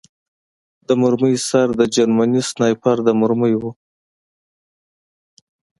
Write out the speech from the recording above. د مرمۍ سر د جرمني سنایپر د مرمۍ و